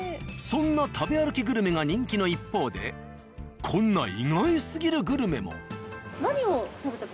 そんな食べ歩きグルメが人気の一方でこんな意外すぎるグルメも。